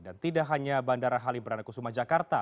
dan tidak hanya bandara halimberanakusuma jakarta